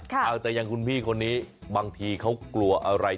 เอาแต่อย่างคุณพี่คนนี้บางทีเขากลัวอะไร